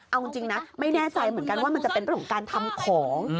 เอาจริงนะไม่แน่ใจเหมือนกันว่ามันจะเป็นเรื่องของการทำของ